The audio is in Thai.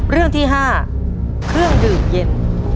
เรื่องที่๕เครื่องดื่มเย็น